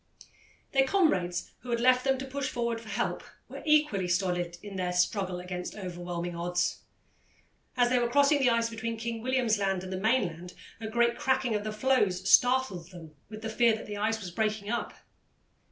Their comrades who had left them to push forward for help were equally stolid in their struggle against overwhelming odds. As they were crossing the ice between King William's Land and the mainland, a great cracking of the floes startled them with the fear that the ice was breaking up.